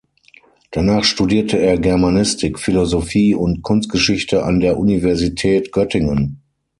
Danach studierte er Germanistik, Philosophie und Kunstgeschichte an der Universität Göttingen.